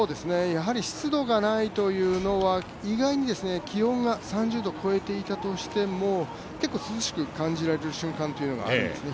湿度がないというのが意外に気温が３０度を超えていたとしても結構、涼しく感じられる瞬間というのがあるんですね。